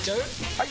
・はい！